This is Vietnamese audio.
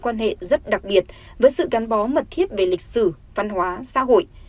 hồ chí minh đã tạo ra một đối quan hệ rất đặc biệt với sự gắn bó mật thiết về lịch sử văn hóa xã hội